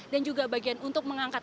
dan juga bagian untuk mengangkat